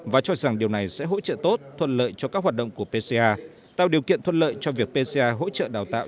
và cho rằng điều này sẽ hỗ trợ tốt thuận lợi cho các hoạt động của pca tạo điều kiện thuận lợi cho việc pci hỗ trợ đào tạo